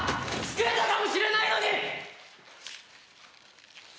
救えたかもしれないのに！